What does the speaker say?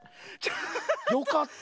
よかった。